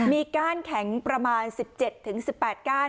มีก้านแข็งประมาณ๑๗๑๘ก้าน